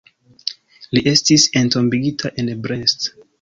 Li estis entombigita en Brest.